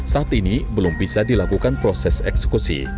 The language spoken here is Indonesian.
saat ini belum bisa dilakukan proses eksekusi